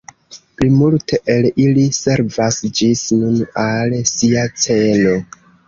Plimulto el ili servas ĝis nun al sia celo.